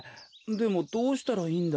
でもどうしたらいいんだ？